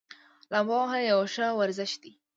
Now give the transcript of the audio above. لامبو وهل یو ښه ورزش دی.